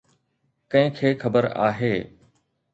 ڪنهن کي خبر آهي.